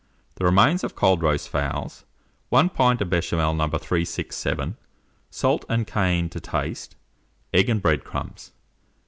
The remains of cold roast fowls, 1 pint of Béchamel No. 367, salt and cayenne to taste, egg and bread crumbs.